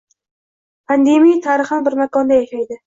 Pandemiya tarixan bir makonda yashaydi.